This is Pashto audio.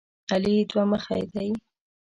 علي دوه مخی دی.